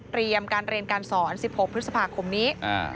การเรียนการสอน๑๖พฤษภาคมนี้